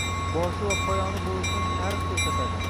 – boshi va poyoni bo‘lishini tarix ko‘rsatdi.